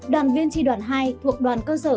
đoàn viên tri đoàn hai thuộc đoàn cơ sở